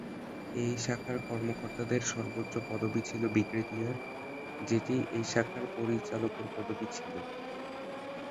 এই শাখার কর্মকর্তাদের সর্বোচ্চ পদবী ছিল ব্রিগেডিয়ার, যেটি এই শাখার পরিচালকের পদবী ছিল।